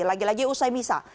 lagi lagi usai misah